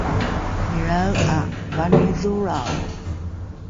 ilrae ’a vanidholrao